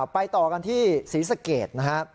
ไปต่อกันที่ศรีสเกตนะฮะ